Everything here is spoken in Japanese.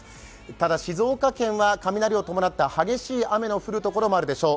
ただ、静岡県は雷を伴った激しい雨が降るところもあるでしょう。